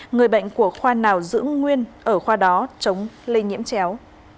người bệnh của khoa nào giữ nguyên ở khoa đó chống lây nhiễm chéo